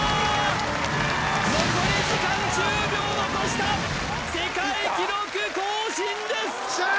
残り時間１０秒残した世界記録更新です！いった？